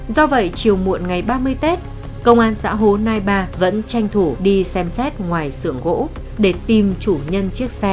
do vậy chiều muộn ngày ba mươi tết công an xã hồ nai ba vẫn tranh thủ đi xem xét người thân